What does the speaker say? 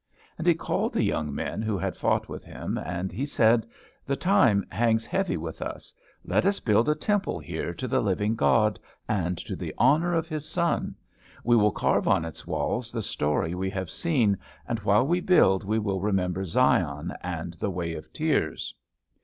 And he called the young men who had fought with him, and he said, "The time hangs heavy with us; let us build a temple here to the living God, and to the honor of his Son. We will carve on its walls the story we have seen, and while we build we will remember Zion and the Way of Tears."